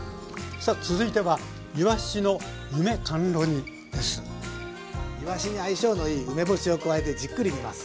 さあ続いてはいわしに相性のいい梅干しを加えてじっくり煮ます。